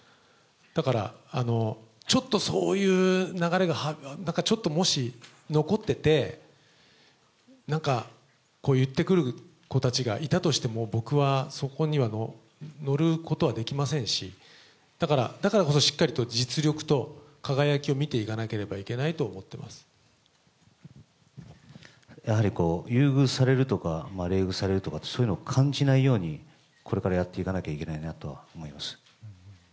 だから、ちょっとそういう流れが、なんかちょっともし残ってて、なんか言ってくる子たちがいたとしても、僕はそこには乗ることはできませんし、だから、だからこそ、しっかりと実力と輝きを見ていかなければいけないとやっぱり優遇されるとか、冷遇されるとか、そういうの感じないようにこれからやっていかなきゃいけないなと思います。